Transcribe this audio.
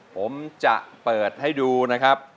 ผมจะเปิดให้ดูนะครับ